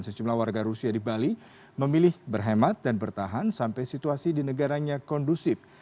sejumlah warga rusia di bali memilih berhemat dan bertahan sampai situasi di negaranya kondusif